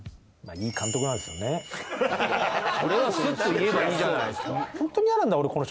それはスッと言えばいいじゃないですか。